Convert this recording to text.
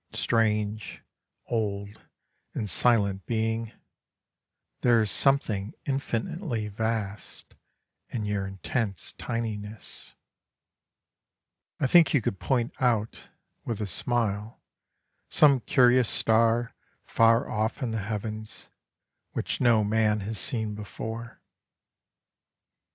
Strange, old, and silent being, there is something Infinitely vast in your intense tininess: I think you could point out, with a smile, some curious star Far off in the heavens, which no man has seen before.